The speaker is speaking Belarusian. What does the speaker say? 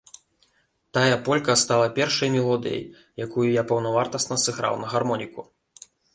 Тая полька стала першай мелодыяй, якую я паўнавартасна сыграў на гармоніку.